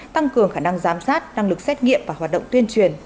tăng cường khả năng giám sát năng lực xét nghiệm và hoạt động tuyên truyền